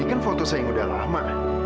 ini kan foto saya yang udah lama